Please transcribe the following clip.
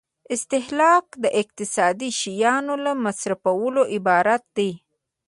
استهلاک د اقتصادي شیانو له مصرفولو عبارت دی.